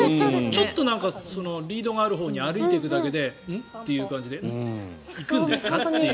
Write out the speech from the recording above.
ちょっとリードがあるほうに歩いていくだけでん？という感じで行くんですかね？という。